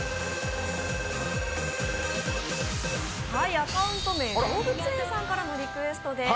アカウント名、どうぶつえんさんからのリクエストです。